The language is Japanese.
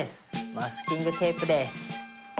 マスキングテープです！